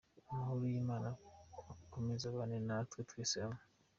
Amahoro y’Imana akomeze abane na twe twese hamwe.